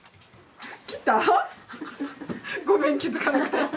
ごめん気付かなくて。